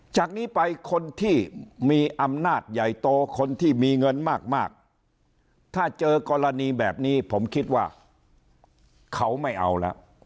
จากนี้ไปคนที่มีอำนาจใหญ่โตคนที่มีเงินมากถ้าเจอกรณีแบบนี้ผมคิดว่าเขาไม่เอาแล้ว